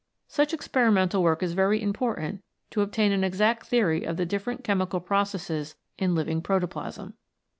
Such experimental work is very important to obtain an exact theory of the different chemical processes in living protoplasm.